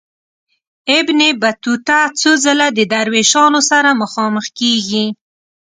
ابن بطوطه څو ځله د دروېشانو سره مخامخ کیږي.